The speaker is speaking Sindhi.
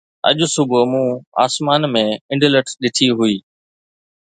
اڄ صبح مون آسمان ۾ انڊلٺ ڏٺي هئي